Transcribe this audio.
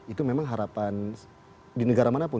itu memang harapan di negara manapun